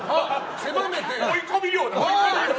狭めて、追い込み漁だ！